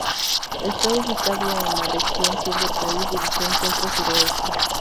Está ubicado en la región Sur del país, división Centro Suroeste.